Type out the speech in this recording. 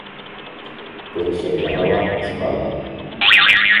Puede ser llamada "espalda".